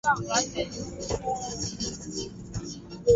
bulonya wakalala nyumbani dhidi ya kwa bao moja kwa mbuyu kutoka kwa ac roma